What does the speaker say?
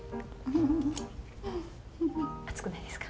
熱くないですか？